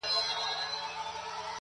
دا د شملو دا د بګړیو وطن!!